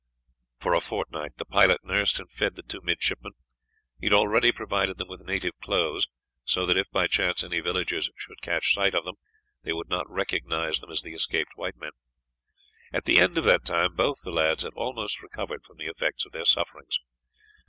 For a fortnight the pilot nursed and fed the two midshipmen. He had already provided them with native clothes, so that if by chance any villagers should catch sight of them they would not recognize them as the escaped white men. At the end of that time both the lads had almost recovered from the effects of their sufferings.